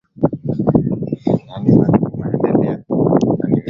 kuweza kuvihifadhi vile vyanzo vya maji